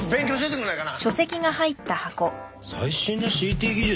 最新のＣＴ技術？